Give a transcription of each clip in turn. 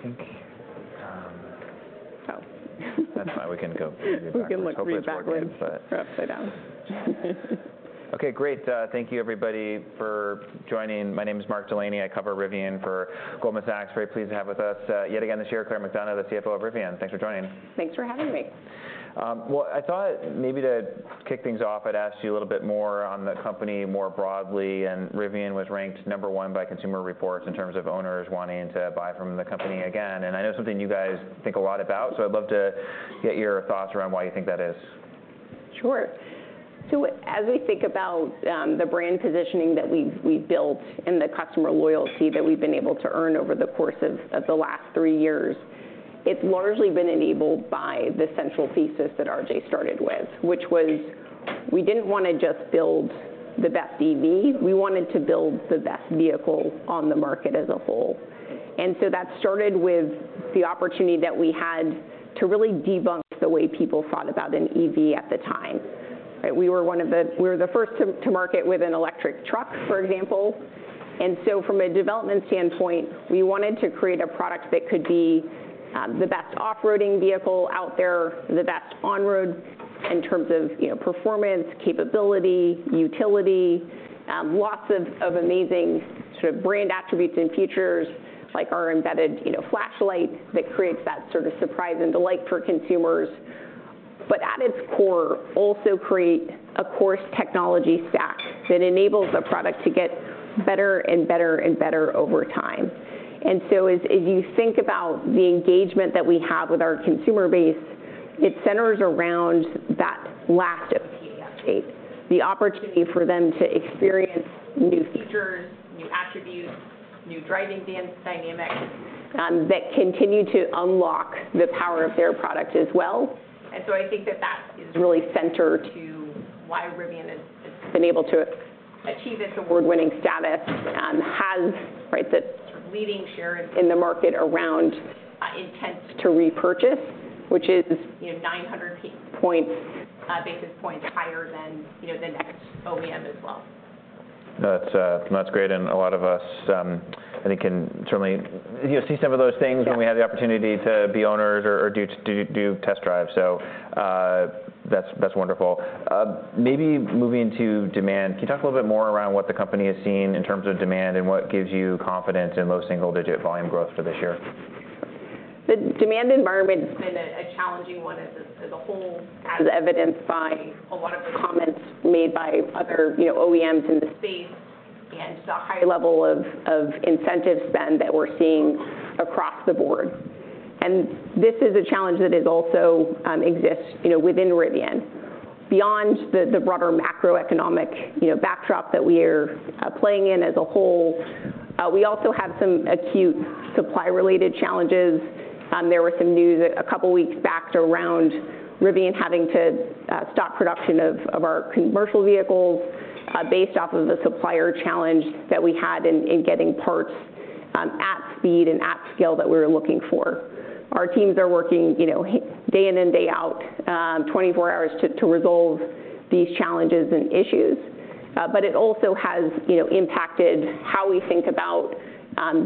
I think, oh, that's why we can go- We can look backwards. Hope it's backwards, but- We're upside down. Okay, great. Thank you, everybody, for joining. My name is Mark Delaney. I cover Rivian for Goldman Sachs. Very pleased to have with us, yet again this year, Claire McDonough, the CFO of Rivian. Thanks for joining. Thanks for having me. Well, I thought maybe to kick things off, I'd ask you a little bit more on the company more broadly, and Rivian was ranked number one by Consumer Reports in terms of owners wanting to buy from the company again, and I know it's something you guys think a lot about, so I'd love to get your thoughts around why you think that is. Sure. So as we think about the brand positioning that we've built and the customer loyalty that we've been able to earn over the course of the last three years, it's largely been enabled by the central thesis that RJ started with, which was we didn't wanna just build the best EV, we wanted to build the best vehicle on the market as a whole. And so that started with the opportunity that we had to really debunk the way people thought about an EV at the time, right? We were the first to market with an electric truck, for example, and so from a development standpoint, we wanted to create a product that could be the best off-roading vehicle out there, the best on-road in terms of, you know, performance, capability, utility, lots of amazing sort of brand attributes and features, like our embedded, you know, flashlight, that creates that sort of surprise and delight for consumers. But at its core, also create a core technology stack that enables a product to get better and better and better over time. And so as you think about the engagement that we have with our consumer base, it centers around the opportunity for them to experience new features, new attributes, new driving dynamics, that continue to unlock the power of their product as well. And so I think that is really central to why Rivian has been able to achieve its award-winning status, has right the leading share in the market around intent to repurchase, which is, you know, nine hundred basis points higher than, you know, the next OEM as well. That's great, and a lot of us, I think, can certainly, you know, see some of those things- Yeah... when we have the opportunity to be owners or do test drives. So, that's wonderful. Maybe moving to demand, can you talk a little bit more around what the company is seeing in terms of demand and what gives you confidence in low single digit volume growth for this year? The demand environment's been a challenging one as a whole, as evidenced by a lot of the comments made by other, you know, OEMs in the space and the high level of incentive spend that we're seeing across the board, and this is a challenge that also exists, you know, within Rivian. Beyond the broader macroeconomic, you know, backdrop that we're playing in as a whole, we also have some acute supply-related challenges. There was some news a couple of weeks back around Rivian having to stop production of our commercial vehicles based off of the supplier challenge that we had in getting parts at speed and at scale that we were looking for. Our teams are working, you know, day in and day out, twenty-four hours, to resolve these challenges and issues. But it also has you know impacted how we think about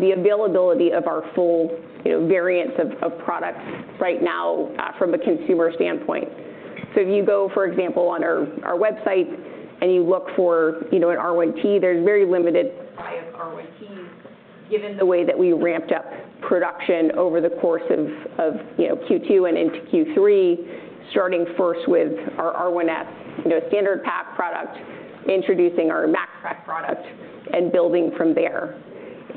the availability of our full you know variants of products right now from a consumer standpoint. So if you go for example on our website and you look for you know an R1T there's very limited supply of R1T given the way that we ramped up production over the course of you know Q2 and into Q3 starting first with our R1S you know standard pack product introducing our Max Pack product and building from there.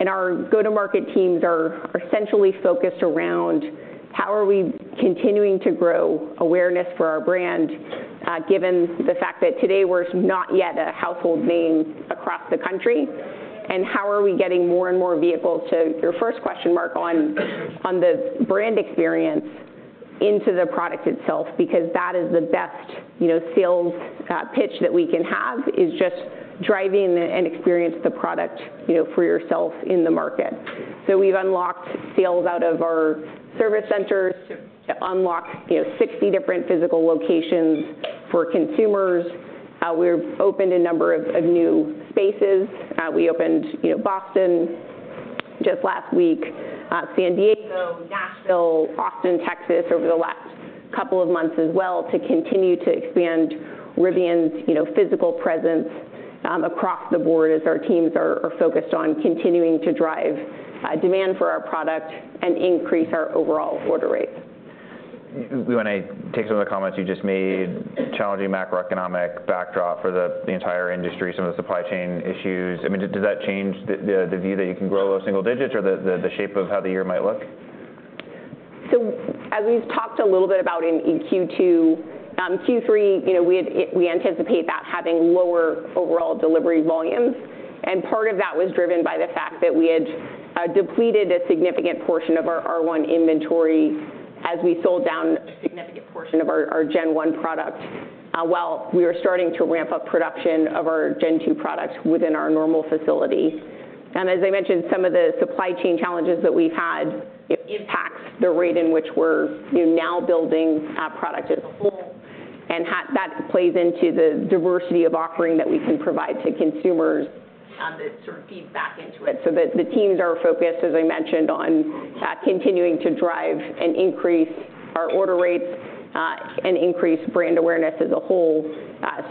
And our go-to-market teams are essentially focused around: How are we continuing to grow awareness for our brand given the fact that today we're not yet a household name across the country? And how are we getting more and more vehicles? So your first question, Mark, on, on the brand experience into the product itself, because that is the best, you know, sales pitch that we can have, is just driving and experience the product, you know, for yourself in the market. So we've unlocked sales out of our service centers to unlock, you know, 60 different physical locations for consumers. We've opened a number of new spaces. We opened, you know, Boston just last week, San Diego, Nashville, Austin, Texas, over the last couple of months as well, to continue to expand Rivian's, you know, physical presence across the board as our teams are focused on continuing to drive demand for our product and increase our overall order rate. When I take some of the comments you just made, challenging macroeconomic backdrop for the entire industry, some of the supply chain issues, I mean, does that change the view that you can grow at single digits or the shape of how the year might look? So as we've talked a little bit about in Q2, Q3, you know, we anticipate having lower overall delivery volumes, and part of that was driven by the fact that we had depleted a significant portion of our R1 inventory as we sold down a significant portion of our Gen 1 product while we were starting to ramp up production of our gen two products within our Normal facility. And as I mentioned, some of the supply chain challenges that we've had. It impacts the rate in which we're, you know, now building product as a whole, and that plays into the diversity of offering that we can provide to consumers, that sort of feeds back into it. So the teams are focused, as I mentioned, on continuing to drive and increase our order rates, and increase brand awareness as a whole,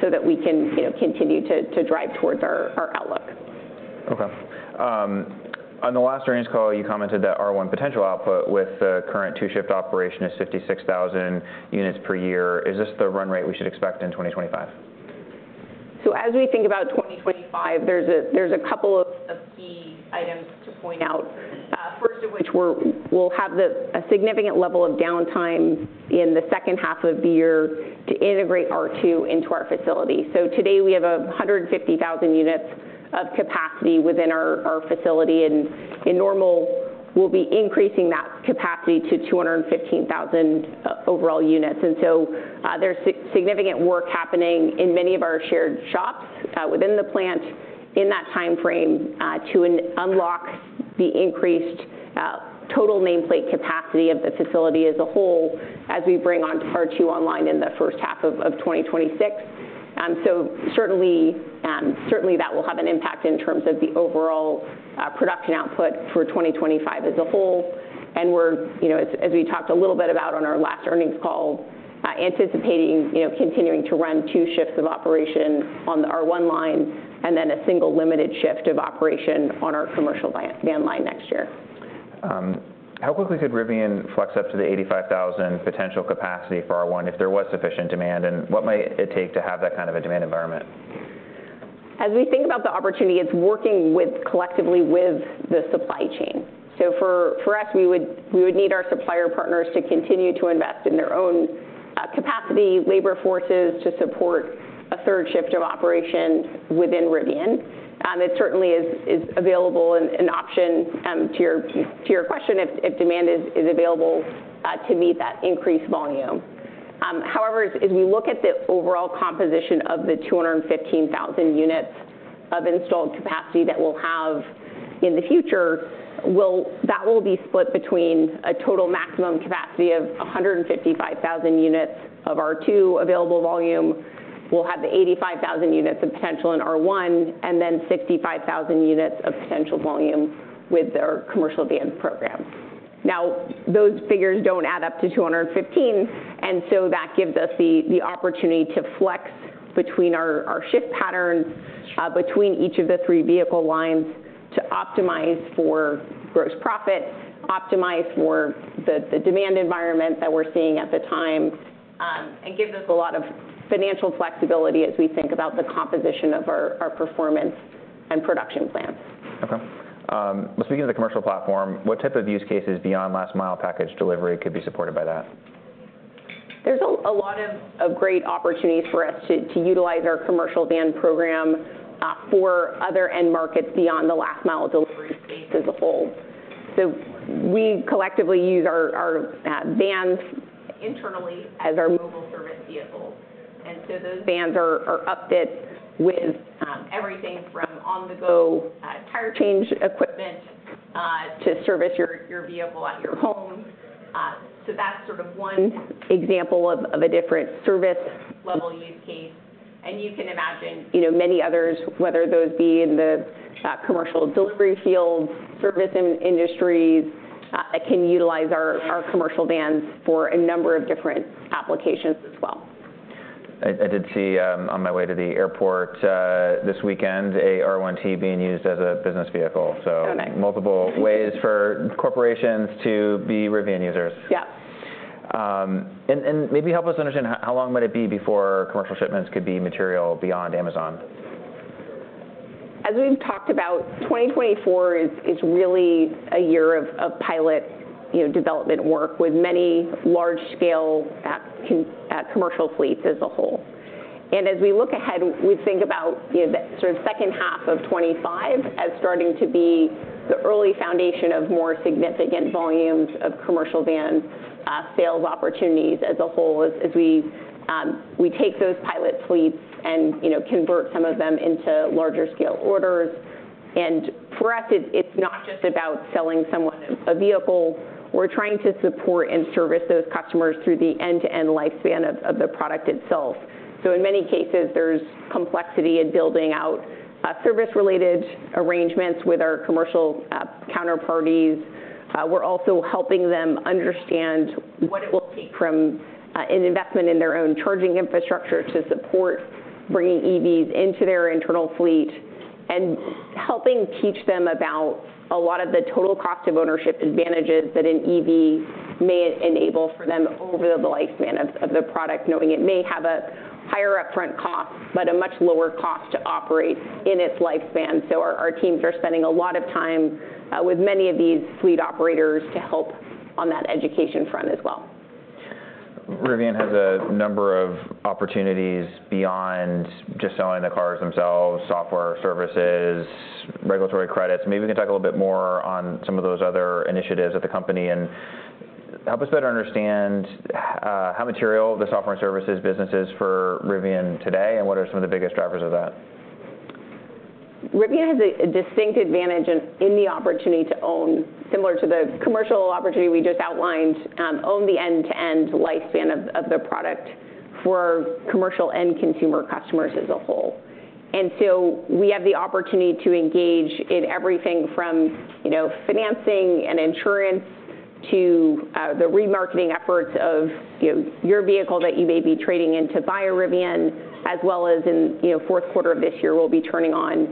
so that we can, you know, continue to drive towards our outlook. Okay. On the last earnings call, you commented that R1 potential output with the current two-shift operation is 56,000 units per year. Is this the run rate we should expect in 2025? So as we think about 2025, there's a couple of key items to point out. First of which we'll have a significant level of downtime in the second half of the year to integrate R2 into our facility. Today, we have 150,000 units of capacity within our facility, and in Normal, we'll be increasing that capacity to 215,000 overall units. And so, there's significant work happening in many of our shared shops within the plant in that timeframe to unlock the increased total nameplate capacity of the facility as a whole, as we bring on R2 online in the first half of 2026. So certainly, certainly, that will have an impact in terms of the overall production output for 2025 as a whole. We're, you know, as we talked a little bit about on our last earnings call, anticipating, you know, continuing to run two shifts of operation on the R1 line, and then a single limited shift of operation on our commercial van line next year. How quickly could Rivian flex up to the 85,000 potential capacity for R1 if there was sufficient demand, and what might it take to have that kind of a demand environment? As we think about the opportunity, it's working with collectively with the supply chain. So for us, we would need our supplier partners to continue to invest in their own capacity, labor forces to support a third shift of operations within Rivian. It certainly is available and an option to your question, if demand is available to meet that increased volume. However, as we look at the overall composition of the 215,000 units of installed capacity that we'll have in the future, that will be split between a total maximum capacity of 155,000 units of R2 available volume. We'll have the 85,000 units of potential in R1, and then 65,000 units of potential volume with our commercial van program. Now, those figures don't add up to 215, and so that gives us the opportunity to flex between our shift patterns between each of the three vehicle lines to optimize for gross profit, optimize for the demand environment that we're seeing at the time, and gives us a lot of financial flexibility as we think about the composition of our performance and production plans. Okay. Speaking of the commercial platform, what type of use cases beyond last mile package delivery could be supported by that? There's a lot of great opportunities for us to utilize our commercial van program for other end markets beyond the last mile delivery space as a whole, so we collectively use our vans internally as our mobile service vehicles, and so those vans are equipped with everything from on-the-go tire change equipment to service your vehicle at your home, so that's sort of one example of a different service-level use case, and you can imagine, you know, many others, whether those be in the commercial delivery field, service industries can utilize our commercial vans for a number of different applications as well. I did see, on my way to the airport this weekend, a R1T being used as a business vehicle, so- Oh, nice... multiple ways for corporations to be Rivian users. Yeah. And maybe help us understand how long would it be before commercial shipments could be material beyond Amazon? As we've talked about, 2024 is really a year of pilot, you know, development work with many large-scale commercial fleets as a whole. And as we look ahead, we think about, you know, the sort of second half of '25 as starting to be the early foundation of more significant volumes of commercial van sales opportunities as a whole, as we take those pilot fleets and, you know, convert some of them into larger scale orders. And for us, it's not just about selling someone a vehicle. We're trying to support and service those customers through the end-to-end lifespan of the product itself. So in many cases, there's complexity in building out service-related arrangements with our commercial counterparties. We're also helping them understand what it will take from an investment in their own charging infrastructure to support bringing EVs into their internal fleet, and helping teach them about a lot of the total cost of ownership advantages that an EV may enable for them over the lifespan of the product, knowing it may have a higher upfront cost, but a much lower cost to operate in its lifespan. So our teams are spending a lot of time with many of these fleet operators to help on that education front as well. Rivian has a number of opportunities beyond just selling the cars themselves, software, services, regulatory credits. Maybe we can talk a little bit more on some of those other initiatives at the company and help us better understand how material the software and services business is for Rivian today, and what are some of the biggest drivers of that? ... Rivian has a distinct advantage in the opportunity to own, similar to the commercial opportunity we just outlined, own the end-to-end lifespan of the product for commercial and consumer customers as a whole. And so we have the opportunity to engage in everything from, you know, financing and insurance to the remarketing efforts of, you know, your vehicle that you may be trading in to buy a Rivian, as well as in, you know, Q4 of this year, we'll be turning on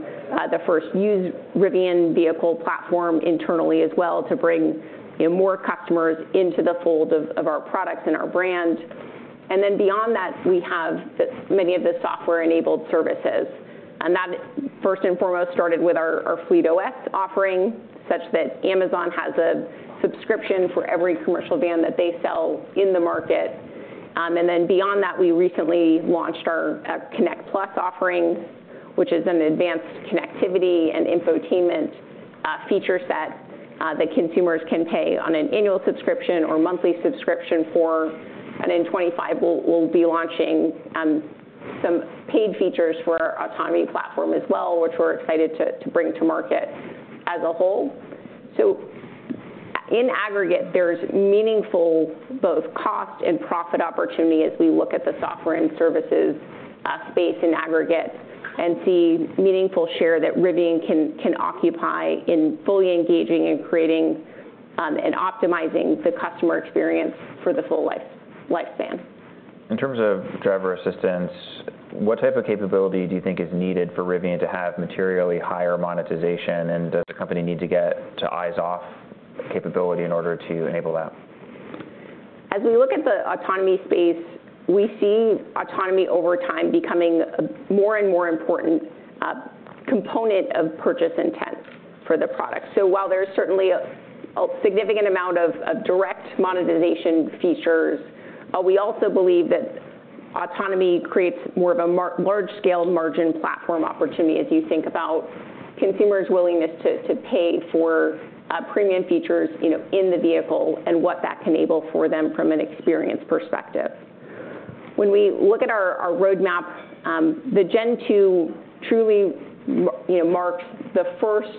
the first used Rivian vehicle platform internally as well to bring, you know, more customers into the fold of our products and our brand. And then beyond that, we have many of the software-enabled services, and that first and foremost started with our Fleet OS offering, such that Amazon has a subscription for every commercial van that they sell in the market. And then beyond that, we recently launched our Connect Plus offering, which is an advanced connectivity and infotainment feature set that consumers can pay on an annual subscription or monthly subscription for. And in 2025, we'll be launching some paid features for our autonomy platform as well, which we're excited to bring to market as a whole. So in aggregate, there's meaningful both cost and profit opportunity as we look at the software and services space in aggregate and see meaningful share that Rivian can occupy in fully engaging and creating and optimizing the customer experience for the full lifecycle. In terms of driver assistance, what type of capability do you think is needed for Rivian to have materially higher monetization? And does the company need to get to eyes-off capability in order to enable that? As we look at the autonomy space, we see autonomy, over time, becoming a more and more important component of purchase intent for the product. So while there's certainly a significant amount of direct monetization features, we also believe that autonomy creates more of a large-scale margin platform opportunity as you think about consumers' willingness to pay for premium features, you know, in the vehicle and what that can enable for them from an experience perspective. When we look at our roadmap, the Gen 2 truly you know marks the first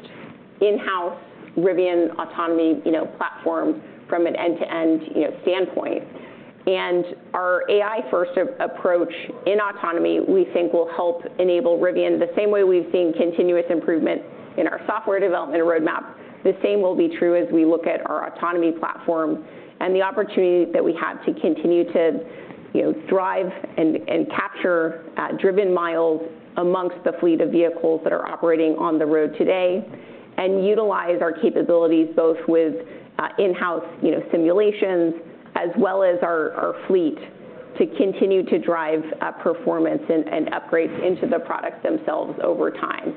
in-house Rivian autonomy, you know, platform from an end-to-end, you know, standpoint. Our AI-first approach in autonomy, we think, will help enable Rivian the same way we've seen continuous improvement in our software development roadmap. The same will be true as we look at our autonomy platform and the opportunity that we have to continue to, you know, drive and capture driven miles among the fleet of vehicles that are operating on the road today, and utilize our capabilities, both with in-house, you know, simulations, as well as our fleet, to continue to drive performance and upgrades into the products themselves over time.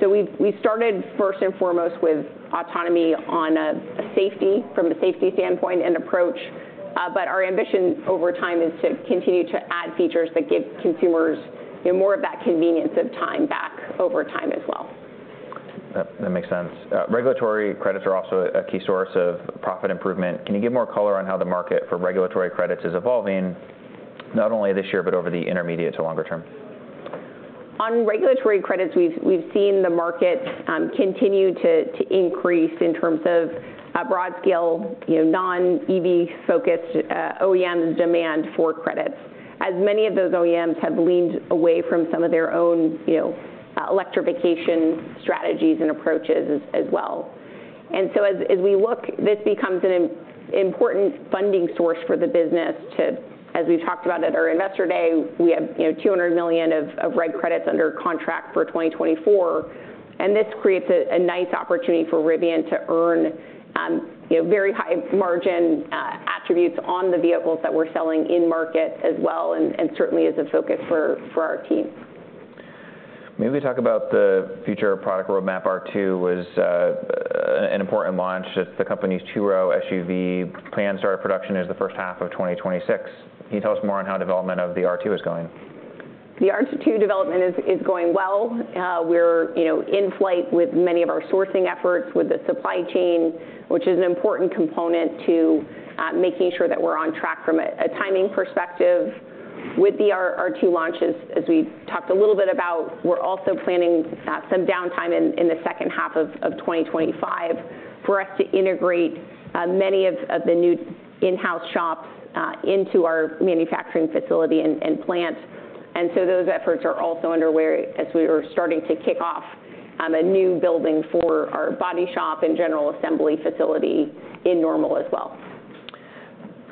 So we started first and foremost with autonomy on a safety, from a safety standpoint and approach, but our ambition over time is to continue to add features that give consumers, you know, more of that convenience of time back over time as well. That makes sense. Regulatory credits are also a key source of profit improvement. Can you give more color on how the market for regulatory credits is evolving, not only this year, but over the intermediate to longer term? On regulatory credits, we've seen the market continue to increase in terms of broad-scale, you know, non-EV-focused OEM demand for credits, as many of those OEMs have leaned away from some of their own, you know, electrification strategies and approaches as well. And so as we look, this becomes an important funding source for the business. As we talked about at our Investor Day, we have, you know, $200 million of reg credits under contract for 2024, and this creates a nice opportunity for Rivian to earn, you know, very high margin attributes on the vehicles that we're selling in market as well, and certainly is a focus for our team. Maybe talk about the future of product roadmap. R2 was an important launch. It's the company's two-row SUV. Plans to start production is the first half of 2026. Can you tell us more on how development of the R2 is going? The R2 development is going well. We're, you know, in flight with many of our sourcing efforts with the supply chain, which is an important component to making sure that we're on track from a timing perspective. With the R2 launches, as we talked a little bit about, we're also planning some downtime in the second half of 2025 for us to integrate many of the new in-house shops into our manufacturing facility and plant. And so those efforts are also underway as we are starting to kick off a new building for our body shop and general assembly facility in Normal as well.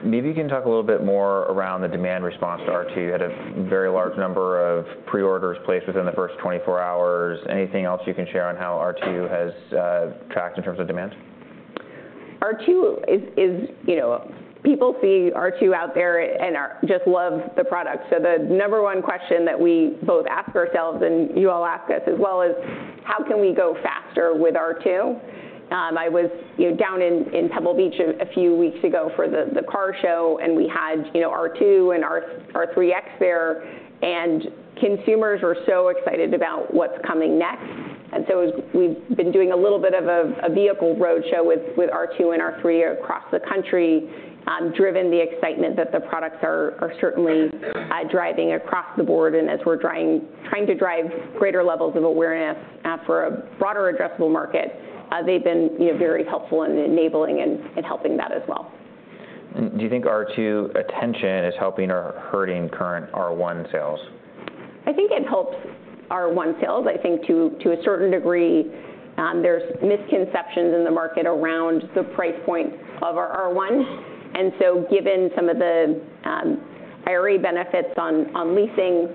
Maybe you can talk a little bit more around the demand response to R2. You had a very large number of pre-orders placed within the first twenty-four hours. Anything else you can share on how R2 has tracked in terms of demand? R2 is, you know. People see R2 out there and just love the product. So the number one question that we both ask ourselves, and you all ask us as well, is: How can we go faster with R2? I was, you know, down in Pebble Beach a few weeks ago for the car show, and we had, you know, R2 and R3X there, and consumers were so excited about what's coming next. And so we've been doing a little bit of a vehicle roadshow with R2 and R3 across the country, driven the excitement that the products are certainly driving across the board. And as we're trying to drive greater levels of awareness for a broader addressable market, they've been, you know, very helpful in enabling and helping that as well.... and do you think R2 attention is helping or hurting current R1 sales? I think it helps R1 sales. I think to a certain degree, there's misconceptions in the market around the price point of our R1. And so given some of the IRA benefits on leasing,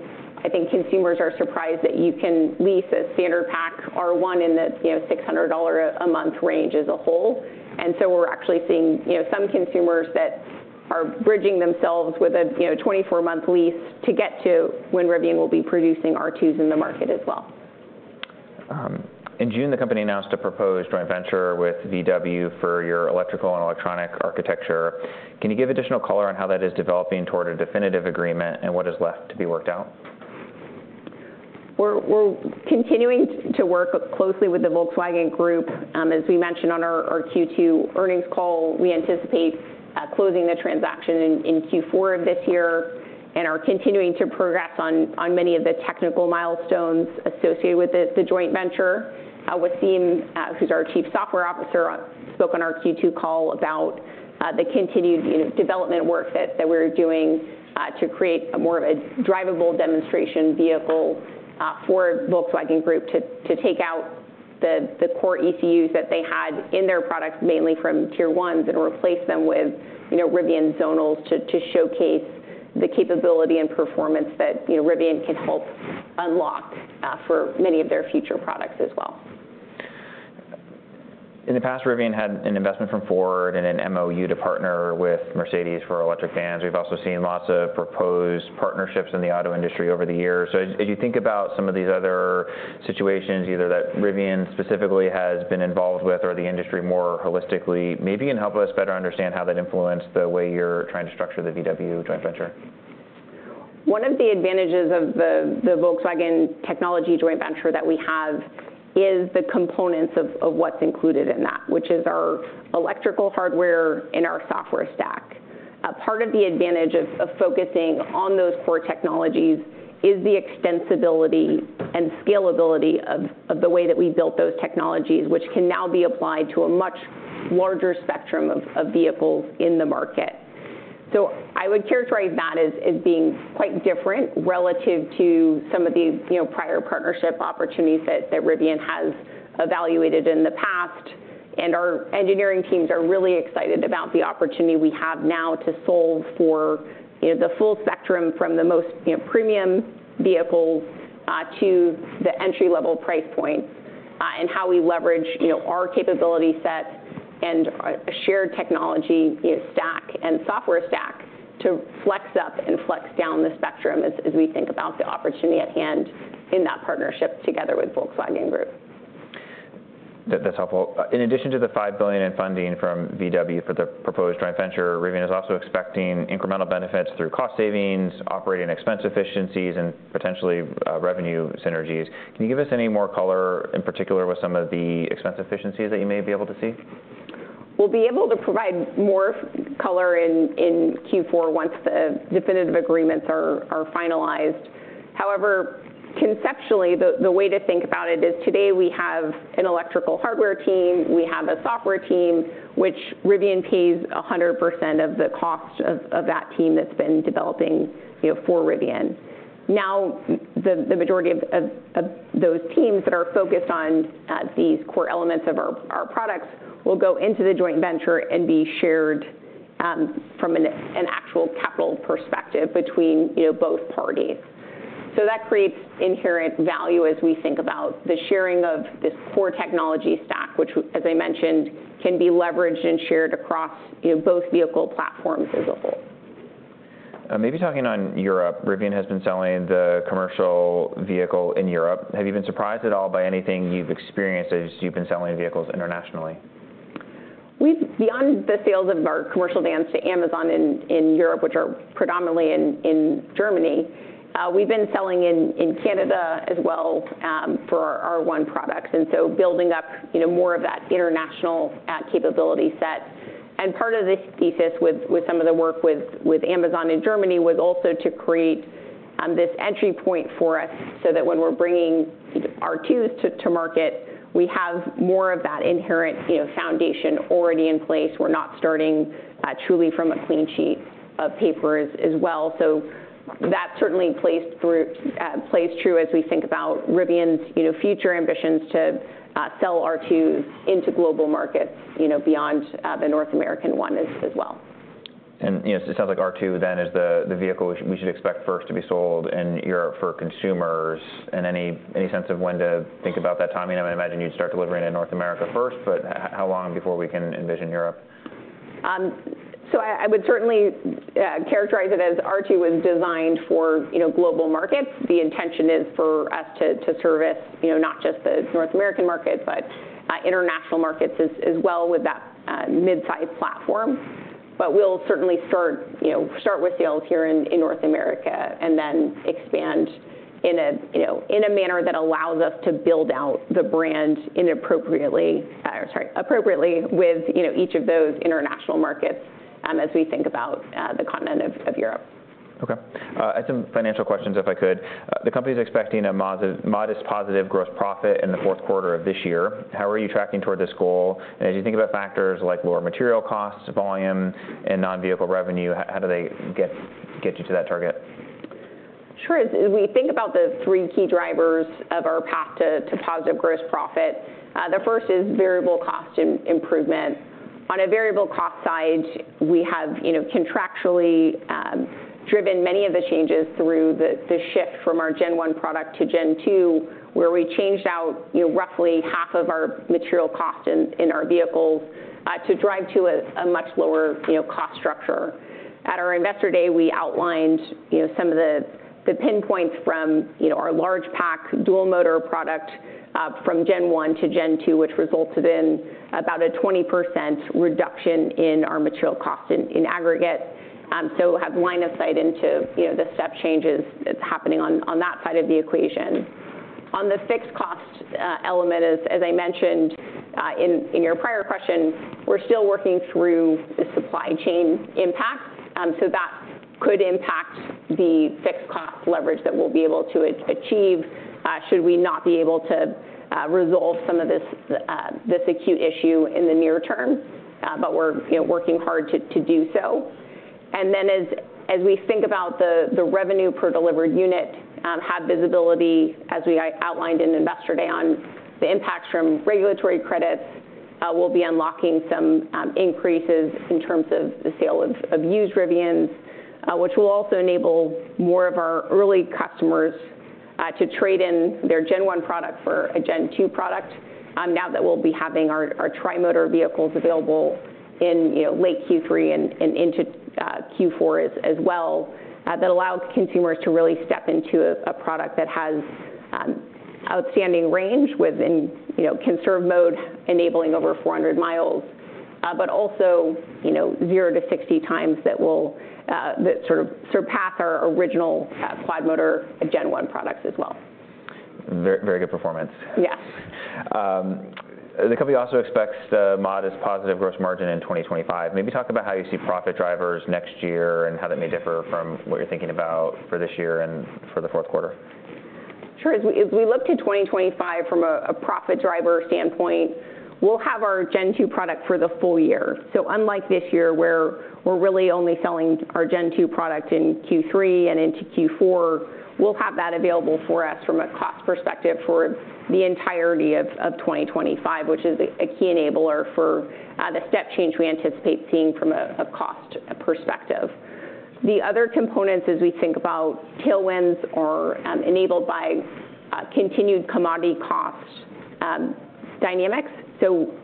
I think consumers are surprised that you can lease a standard pack R1 in the, you know, $600 a month range as a whole. And so we're actually seeing, you know, some consumers that are bridging themselves with a, you know, twenty-four-month lease to get to when Rivian will be producing R2s in the market as well. In June, the company announced a proposed joint venture with VW for your electrical and electronic architecture. Can you give additional color on how that is developing toward a definitive agreement, and what is left to be worked out? We're continuing to work closely with the Volkswagen Group. As we mentioned on our Q2 earnings call, we anticipate closing the transaction in Q4 of this year, and are continuing to progress on many of the technical milestones associated with the joint venture. Waseem, who's our Chief Software Officer, spoke on our Q2 call about the continued, you know, development work that we're doing to create a more of a drivable demonstration vehicle for Volkswagen Group to take out the core ECUs that they had in their products, mainly from Tier 1s, and replace them with, you know, Rivian zonals to showcase the capability and performance that, you know, Rivian can help unlock for many of their future products as well. In the past, Rivian had an investment from Ford and an MOU to partner with Mercedes for electric vans. We've also seen lots of proposed partnerships in the auto industry over the years. So as you think about some of these other situations, either that Rivian specifically has been involved with or the industry more holistically, maybe you can help us better understand how that influenced the way you're trying to structure the VW joint venture. One of the advantages of the Volkswagen technology joint venture that we have is the components of what's included in that, which is our electrical hardware and our software stack. A part of the advantage of focusing on those core technologies is the extensibility and scalability of the way that we built those technologies, which can now be applied to a much larger spectrum of vehicles in the market. So I would characterize that as being quite different relative to some of the, you know, prior partnership opportunities that Rivian has evaluated in the past. And our engineering teams are really excited about the opportunity we have now to solve for, you know, the full spectrum, from the most, you know, premium vehicles, to the entry-level price points, and how we leverage, you know, our capability set and a shared technology, you know, stack and software stack to flex up and flex down the spectrum as we think about the opportunity at hand in that partnership together with Volkswagen Group. That, that's helpful. In addition to the $5 billion in funding from VW for the proposed joint venture, Rivian is also expecting incremental benefits through cost savings, operating expense efficiencies, and potentially, revenue synergies. Can you give us any more color, in particular, with some of the expense efficiencies that you may be able to see? We'll be able to provide more color in Q4 once the definitive agreements are finalized. However, conceptually, the way to think about it is today we have an electrical hardware team, we have a software team, which Rivian pays 100% of the cost of that team that's been developing, you know, for Rivian. Now, the majority of those teams that are focused on these core elements of our products will go into the joint venture and be shared from an actual capital perspective between, you know, both parties. So that creates inherent value as we think about the sharing of this core technology stack, which as I mentioned, can be leveraged and shared across, you know, both vehicle platforms as a whole. Maybe talking about Europe, Rivian has been selling the commercial vehicle in Europe. Have you been surprised at all by anything you've experienced as you've been selling vehicles internationally? We've beyond the sales of our commercial vans to Amazon in Europe, which are predominantly in Germany. We've been selling in Canada as well for our R1 products, and so building up, you know, more of that international capability set. And part of this thesis with some of the work with Amazon in Germany was also to create this entry point for us, so that when we're bringing R2s to market, we have more of that inherent, you know, foundation already in place. We're not starting truly from a clean sheet of paper as well. So that certainly plays through plays true as we think about Rivian's, you know, future ambitions to sell R2s into global markets, you know, beyond the North American one as well. You know, so it sounds like R2 then is the vehicle we should expect first to be sold in Europe for consumers. Any sense of when to think about that timing? I would imagine you'd start delivering in North America first, but how long before we can envision Europe? So I would certainly characterize it as R2 was designed for, you know, global markets. The intention is for us to service, you know, not just the North American market, but international markets as well with that mid-size platform. But we'll certainly start, you know, with sales here in North America, and then expand in a, you know, in a manner that allows us to build out the brand appropriately with, you know, each of those international markets, as we think about the continent of Europe.... Okay. I had some financial questions, if I could. The company's expecting a modest positive gross profit in the Q4 of this year. How are you tracking toward this goal? And as you think about factors like lower material costs, volume, and non-vehicle revenue, how do they get you to that target? Sure. As we think about the three key drivers of our path to positive gross profit, the first is variable cost improvement. On a variable cost side, we have, you know, contractually driven many of the changes through the shift from our Gen 1 product to Gen 2, where we changed out, you know, roughly half of our material cost in our vehicles to drive to a much lower, you know, cost structure. At our Investor Day, we outlined, you know, some of the pinpoints from our Large Pack Dual-Motor product from Gen 1 to Gen 2, which resulted in about a 20% reduction in our material cost in aggregate. So have line of sight into, you know, the step changes that's happening on that side of the equation. On the fixed cost element, as I mentioned in your prior question, we're still working through the supply chain impact. So that could impact the fixed cost leverage that we'll be able to achieve, should we not be able to resolve some of this acute issue in the near term. But we're, you know, working hard to do so. And then as we think about the revenue per delivered unit, have visibility, as we outlined in Investor Day, on the impacts from regulatory credits. We'll be unlocking some increases in terms of the sale of used Rivians. which will also enable more of our early customers to trade in their Gen 1 product for a Gen 2 product, now that we'll be having our Tri-Motor vehicles available in, you know, late Q3 and into Q4 as well. That allows consumers to really step into a product that has outstanding range within, you know, conserve mode, enabling over four hundred miles. But also, you know, zero to sixty times that will sort of surpass our original five motor Gen 1 products as well. Very good performance. Yes. The company also expects a modest positive gross margin in 2025. Maybe talk about how you see profit drivers next year and how that may differ from what you're thinking about for this year and for the Q4. Sure. As we look to twenty twenty-five from a profit driver standpoint, we'll have our Gen 2 product for the full year, so unlike this year, where we're really only selling our Gen 2 product in Q3 and into Q4, we'll have that available for us from a cost perspective for the entirety of twenty twenty-five, which is a key enabler for the step change we anticipate seeing from a cost perspective. The other components, as we think about tailwinds, are enabled by continued commodity cost dynamics, so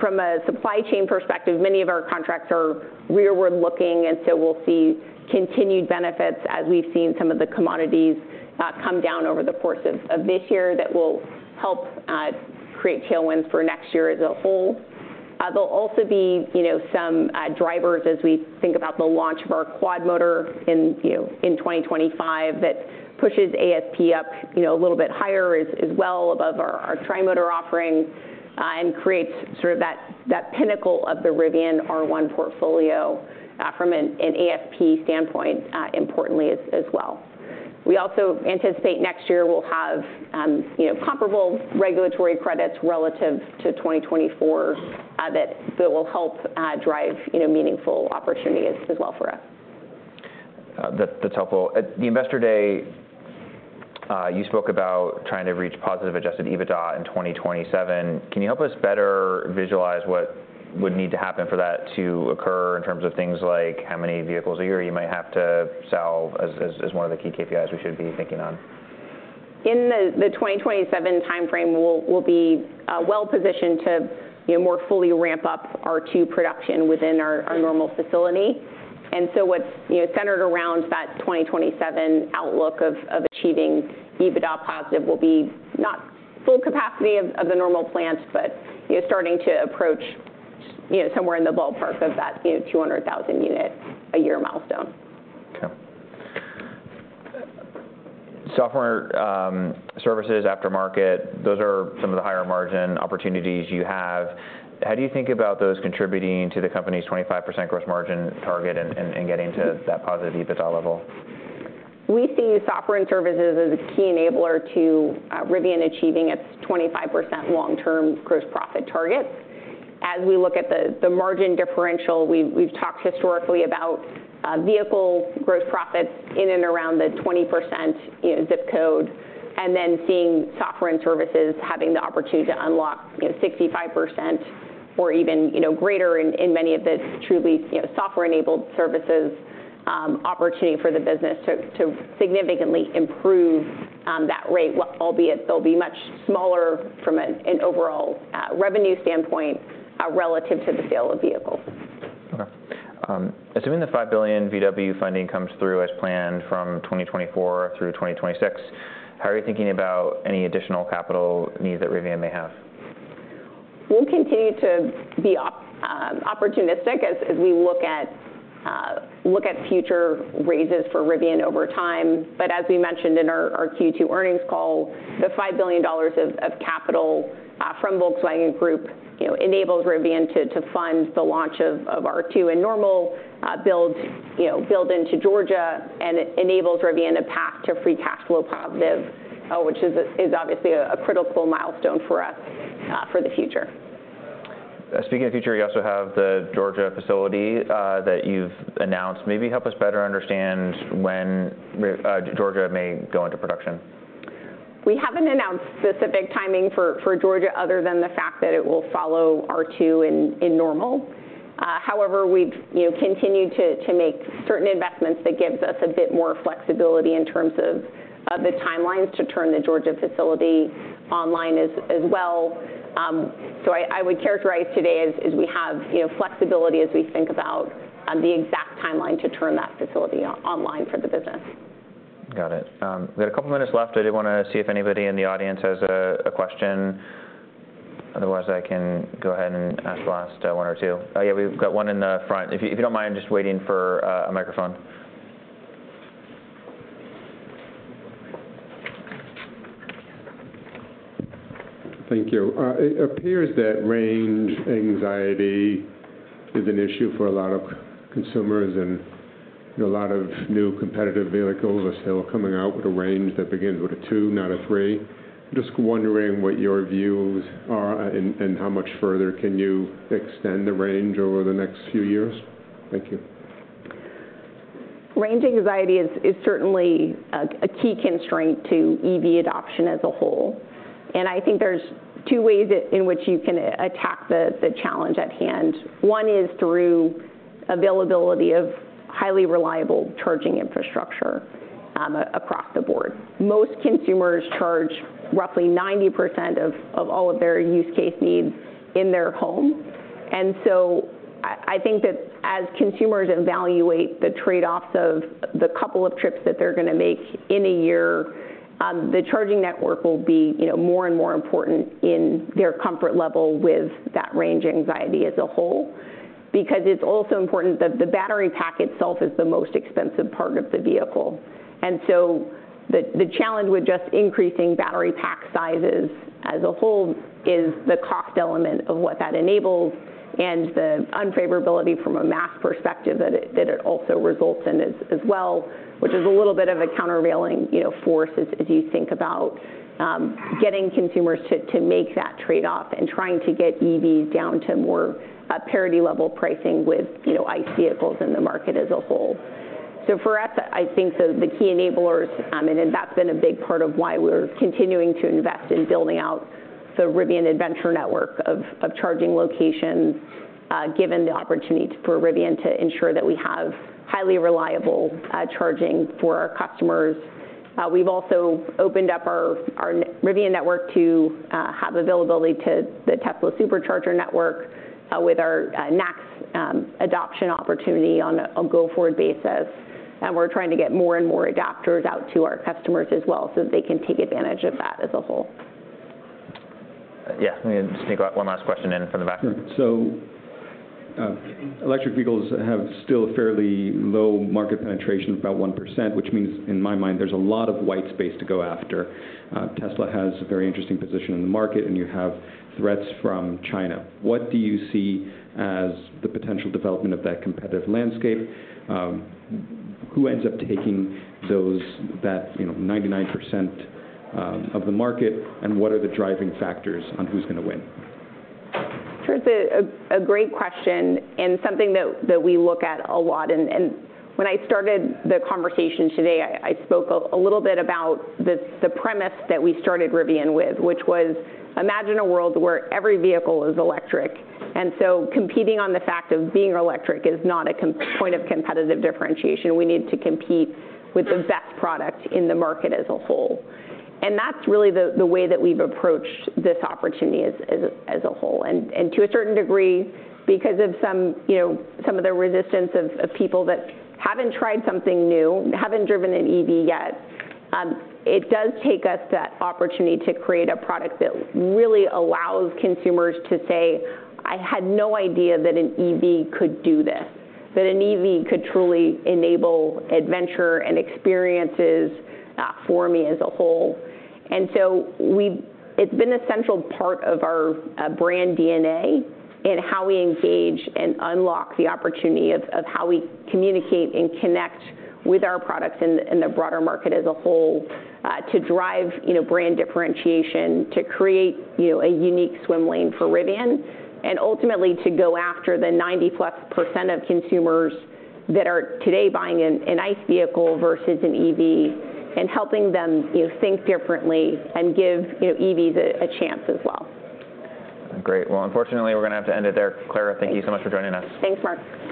from a supply chain perspective, many of our contracts are rearward looking, and so we'll see continued benefits as we've seen some of the commodities come down over the course of this year, that will help create tailwinds for next year as a whole. There'll also be, you know, some drivers as we think about the launch of our quad motor in, you know, in 2025, that pushes ASP up, you know, a little bit higher as well above our tri-motor offering, and creates sort of that pinnacle of the Rivian R1 portfolio, from an ASP standpoint, importantly, as well. We also anticipate next year we'll have, you know, comparable regulatory credits relative to 2024, that will help drive, you know, meaningful opportunities as well for us. That's helpful. At the Investor Day, you spoke about trying to reach positive Adjusted EBITDA in 2027. Can you help us better visualize what would need to happen for that to occur in terms of things like how many vehicles a year you might have to sell as one of the key KPIs we should be thinking on? In the 2027 timeframe, we'll be well-positioned to, you know, more fully ramp up our R2 production within our Normal facility. And so what's, you know, centered around that 2027 outlook of achieving EBITDA positive will be not full capacity of the Normal plant, but, you know, starting to approach, you know, somewhere in the ballpark of that, you know, 200,000 unit a year milestone. Okay. Software, services, aftermarket, those are some of the higher margin opportunities you have. How do you think about those contributing to the company's 25% gross margin target and getting to that positive EBITDA level? We see software and services as a key enabler to Rivian achieving its 25% long-term gross profit targets. As we look at the margin differential, we've talked historically about vehicle gross profits in and around the 20% zip code, and then seeing software and services having the opportunity to unlock you know 65% or even you know greater in many of the truly you know software-enabled services opportunity for the business to significantly improve that rate. Albeit they'll be much smaller from an overall revenue standpoint relative to the sale of vehicles. Okay. Assuming the $5 billion VW funding comes through as planned from 2024 through 2026, how are you thinking about any additional capital needs that Rivian may have? We'll continue to be opportunistic as we look at future raises for Rivian over time. But as we mentioned in our Q2 earnings call, the $5 billion of capital from Volkswagen Group, you know, enables Rivian to fund the launch of R2 and Normal build into Georgia, and it enables Rivian a path to free cash flow positive, which is obviously a critical milestone for us for the future. Speaking of the future, you also have the Georgia facility that you've announced. Maybe help us better understand when Georgia may go into production. We haven't announced specific timing for Georgia, other than the fact that it will follow R2 in Normal. However, we've, you know, continued to make certain investments that gives us a bit more flexibility in terms of the timelines to turn the Georgia facility online as well. So I would characterize today as we have, you know, flexibility as we think about the exact timeline to turn that facility online for the business. Got it. We've got a couple minutes left. I did wanna see if anybody in the audience has a question. Otherwise, I can go ahead and ask the last one or two. Oh, yeah, we've got one in the front. If you don't mind just waiting for a microphone. Thank you. It appears that range anxiety is an issue for a lot of consumers, and, you know, a lot of new competitive vehicles are still coming out with a range that begins with a two, not a three. I'm just wondering what your views are, and how much further can you extend the range over the next few years? Thank you. Range anxiety is certainly a key constraint to EV adoption as a whole, and I think there's two ways that in which you can attack the challenge at hand. One is through availability of highly reliable charging infrastructure across the board. Most consumers charge roughly 90% of all of their use case needs in their home, and so I think that as consumers evaluate the trade-offs of the couple of trips that they're gonna make in a year, the charging network will be, you know, more and more important in their comfort level with that range anxiety as a whole. Because it's also important that the battery pack itself is the most expensive part of the vehicle, and so the challenge with just increasing battery pack sizes as a whole is the cost element of what that enables and the unfavorability from a mass perspective that it also results in as well, which is a little bit of a countervailing, you know, force as you think about getting consumers to make that trade-off and trying to get EVs down to more parity-level pricing with, you know, ICE vehicles in the market as a whole. So for us, I think the key enablers, and that's been a big part of why we're continuing to invest in building out the Rivian Adventure Network of charging locations, given the opportunity for Rivian to ensure that we have highly reliable charging for our customers. We've also opened up our Rivian network to have availability to the Tesla Supercharger network, with our NACS adoption opportunity on a go-forward basis, and we're trying to get more and more adapters out to our customers as well, so that they can take advantage of that as a whole. Yeah, let me just sneak one last question in from the back. Sure. So, electric vehicles have still fairly low market penetration, about 1%, which means, in my mind, there's a lot of white space to go after. Tesla has a very interesting position in the market, and you have threats from China. What do you see as the potential development of that competitive landscape? Who ends up taking those, you know, 99%, of the market, and what are the driving factors on who's gonna win? Sure, it's a great question and something that we look at a lot, and when I started the conversation today, I spoke a little bit about the premise that we started Rivian with, which was, imagine a world where every vehicle is electric, and so competing on the fact of being electric is not a point of competitive differentiation. We need to compete with the best product in the market as a whole. That's really the way that we've approached this opportunity as a whole. To a certain degree, because of some, you know, some of the resistance of people that haven't tried something new, haven't driven an EV yet, it does take us that opportunity to create a product that really allows consumers to say, "I had no idea that an EV could do this, that an EV could truly enable adventure and experiences for me as a whole." And so we've. It's been an essential part of our brand DNA in how we engage and unlock the opportunity of how we communicate and connect with our products in the broader market as a whole, to drive, you know, brand differentiation, to create, you know, a unique swim lane for Rivian, and ultimately, to go after the 90-plus% of consumers that are today buying an ICE vehicle versus an EV, and helping them, you know, think differently and give, you know, EVs a chance as well. Great. Well, unfortunately, we're gonna have to end it there. Claire, thank you so much for joining us. Thanks, Mark.